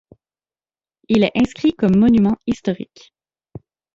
Il est inscrit comme Monument historique.